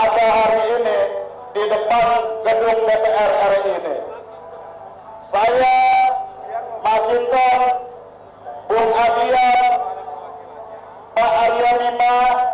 masintom bun adia pak arya mima